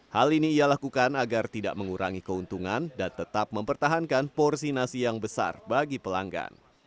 hal ini ia lakukan agar tidak mengurangi keuntungan dan tetap mempertahankan porsi nasi yang besar bagi pelanggan